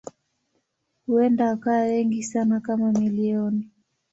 Huenda wakawa wengi sana kama milioni.